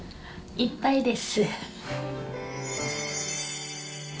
いっぱいです。